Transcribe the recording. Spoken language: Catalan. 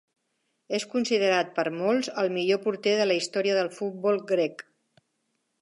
És considerat per molts el millor porter de la història del futbol grec.